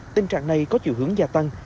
tình trạng này có chiều hướng gia tăng